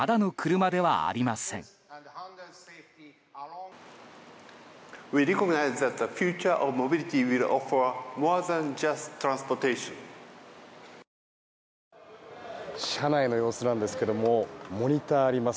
車内の様子なんですけどもモニターがあります。